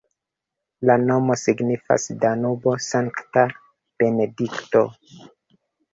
La nomo signifas Danubo-Sankta Benedikto.